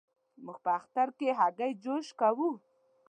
موږ په اختر کې هګی جوش کوو.